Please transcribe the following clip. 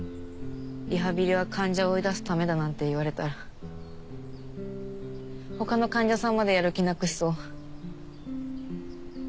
リハビリは患者を追い出すためだなんて言われたら他の患者さんまでやる気なくしそう。